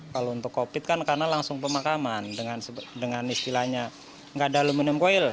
kalau untuk covid kan karena langsung pemakaman dengan istilahnya nggak ada aluminium koil